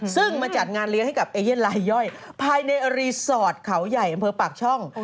ซึ่งมาจัดงานเลี้ยงให้กับเอเย่นลายย่อยภายในรีสอร์ทเขาใหญ่อำเภอปากช่อง